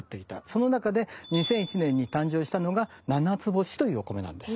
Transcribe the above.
その中で２００１年に誕生したのが「ななつぼし」というお米なんです。